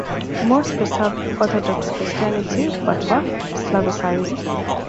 Most preserved Orthodox Christianity but were Slavicized.